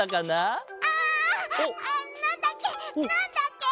ああなんだっけ？